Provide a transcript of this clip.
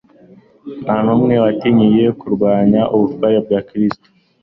Nta n'umwe watinyutse kurwanya ubutware bwa Kristo.